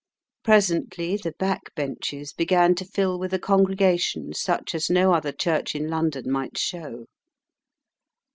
Presently the back benches began to fill with a congregation such as no other church in London might show.